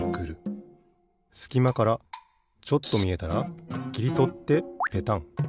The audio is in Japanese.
すきまからちょっとみえたらきりとってペタン。